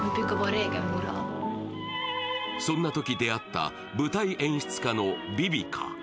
そんなとき出会った舞台演出家のヴィヴィカ。